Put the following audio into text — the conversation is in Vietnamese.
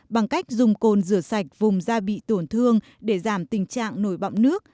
bằng cách dùng cồn rửa sạch vùng da bị tổn thương để giảm tình trạng nổi bọng nước